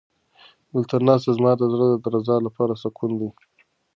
دلته ناسته زما د زړه د درزا لپاره سکون دی.